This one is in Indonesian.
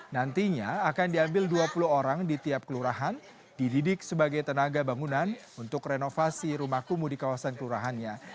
nantinya akan diambil dua puluh orang di tiap kelurahan dididik sebagai tenaga bangunan untuk renovasi rumah kumuh di kawasan kelurahannya